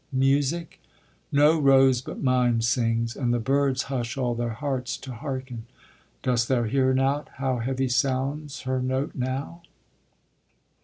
Music? No rose but mine sings, and the birds Hush all their hearts to hearken. Dost thou hear not How heavy sounds her note now?